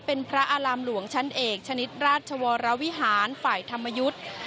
เป็นพระอารามหลวงชั้นเอกชนิดราชวรวิหารฝ่ายธรรมยุทธ์